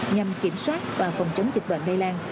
nhằm kiểm soát và phòng tránh dịch bệnh lây lan